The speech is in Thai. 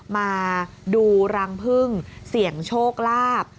มาดูรังพึ่งเสี่ยงโชคลาภ